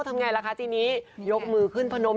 ทำไงล่ะคะทีนี้ยกมือขึ้นพนม